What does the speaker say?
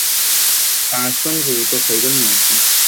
Sir, আমাদের কাছে গত তিন মাসের ডিটেইলস আছে।